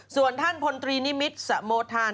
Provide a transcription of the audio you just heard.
ส่วนท่านพลตรีนิมิตรสโมทาน